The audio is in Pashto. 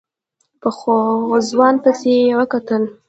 په ځوان پسې يې وکتل.